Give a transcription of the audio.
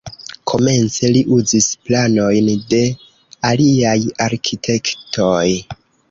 Komence li uzis planojn de aliaj arkitektoj.